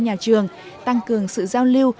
nhà trường tăng cường sự giao lưu